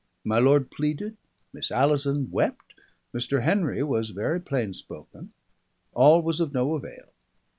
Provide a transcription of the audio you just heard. My lord pleaded, Miss Alison wept, Mr. Henry was very plain spoken: all was of no avail.